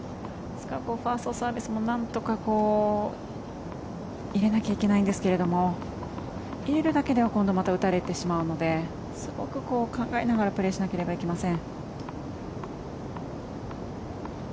ファーストサービスもなんとか入れなきゃいけないんですけれども入れるだけでは今度また打たれてしまうのですごく考えながらプレーしないといけません。